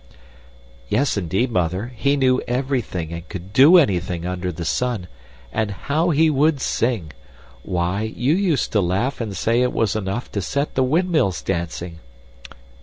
"Yes, indeed, Mother, he knew everything and could do anything under the sun and how he would sing! Why, you used to laugh and say it was enough to set the windmills dancing."